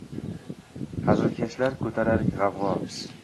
Hazilkashlar ko‘tarar g‘avg‘o.